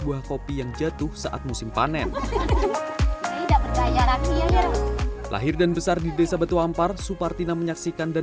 buah kopi yang jatuh saat musim panen tidak percaya lahir dan besar di desa batu ampar supartina menyaksikan dan